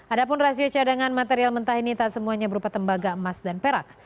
adapun rasio cadangan material mentah ini tak semuanya berupa tembaga emas dan perak